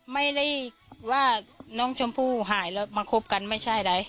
ไม่ได้ว่าน้องชมพู่หายแล้วมาคบกันไม่ใช่อะไร